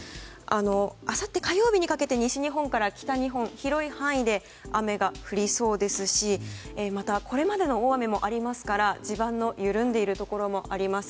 あさって火曜日にかけて西日本から北日本、広い範囲で雨が降りそうですしこれまでの大雨もありますから地盤が緩んでいるところもあります。